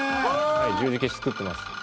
「十字消し作ってます」